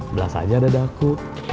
belas aja dada aku